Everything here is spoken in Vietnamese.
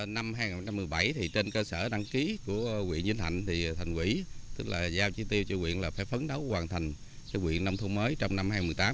năm hai nghìn một mươi bảy trên cơ sở đăng ký của huyện vĩnh thạnh thành ủy giao chi tiêu cho huyện là phải phấn đấu hoàn thành huyện nông thôn mới trong năm hai nghìn một mươi tám